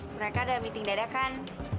mereka ada meeting dadakan